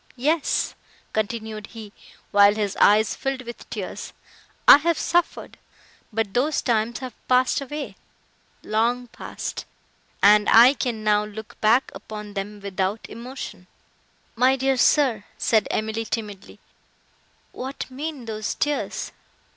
Yes," continued he, while his eyes filled with tears, "I have suffered!—but those times have passed away—long passed! and I can now look back upon them without emotion." "My dear sir," said Emily, timidly, "what mean those tears?